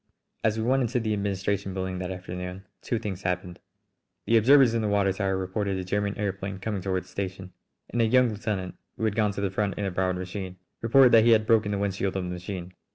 As we went into the administration building that afternoon two things happened: The observers in the water tower reported a German aëroplane coming toward the station, and a young lieutenant, who had gone to the front in a borrowed machine, reported that he had broken the wind shield of the machine.